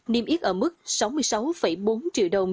niêm yết ở mức sáu mươi sáu bốn triệu đồng